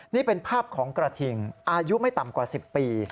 นี่เป็นภาพของกระทิงอายุไม่ต่ำกว่า๑๐ปี